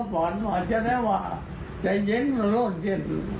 ผีมาสั่งตามนะ